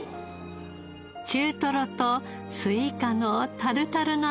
中トロとスイカのタルタルの味は？